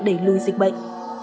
để lưu dịch bệnh